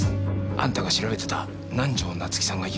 あんたが調べてた南条夏樹さんが誘拐された。